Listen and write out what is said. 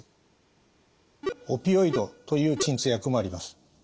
オピオイドという鎮痛薬もあります。